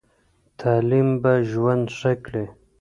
تعلیم به ژوند ښه کړي.